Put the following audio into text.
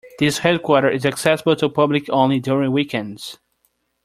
This headquarter is accessible to public only during weekends.